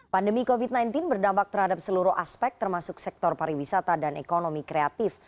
pandemi covid sembilan belas berdampak terhadap seluruh aspek termasuk sektor pariwisata dan ekonomi kreatif